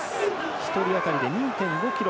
１人当たりで２．５ｋｇ